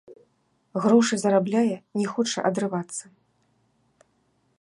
Грошы зарабляе, не хоча адрывацца.